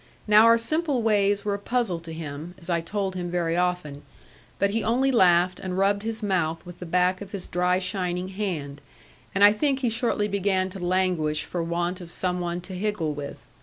Now our simple ways were a puzzle to him, as I told him very often; but he only laughed, and rubbed his mouth with the back of his dry shining hand, and I think he shortly began to languish for want of some one to higgle with.